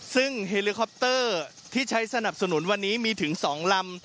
ซึ่งเฮลิคอปเตอร์ที่ใช้สนับสนุนวันนี้มีถึง๒ลำ